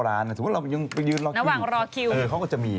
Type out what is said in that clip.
เมื่อกี๊เราก็แปะอยู่หน้าจอน่ารัก